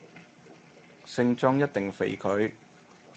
聖莊一定肥佢